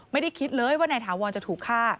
ไม่ได้คิดเลยว่านายถาวรจะถูกฆ่า